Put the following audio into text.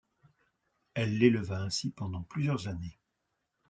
Elle l'éleva ainsi pendant plusieurs années.